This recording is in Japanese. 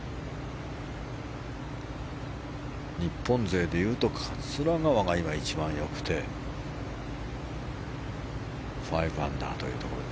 日本勢でいうと桂川が今一番良くて５アンダーというところ。